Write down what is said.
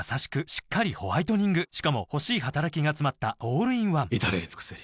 しっかりホワイトニングしかも欲しい働きがつまったオールインワン至れり尽せり